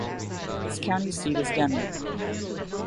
Its county seat is Deming.